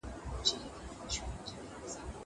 زه بايد ښوونځی ته ولاړ سم.